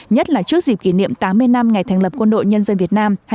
nhất là trước dịp kỷ niệm tám mươi năm ngày thành lập quân đội nhân dân việt nam